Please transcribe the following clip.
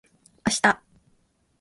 あした